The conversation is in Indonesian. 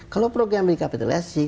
kalau program dikapitalisasi